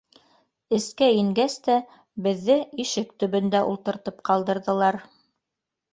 Эскә ингәс тә беҙҙе ишек төбөндә ултыртып ҡалдырҙылар.